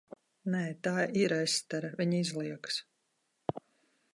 Nē. Tā ir Estere, viņa izliekas.